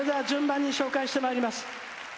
順番に紹介してまいります。